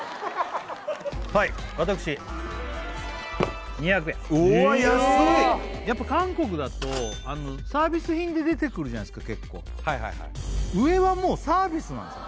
はい私２００円おわっ安いやっぱ韓国だとサービス品で出てくるじゃないですか結構上はもうサービスなんですよ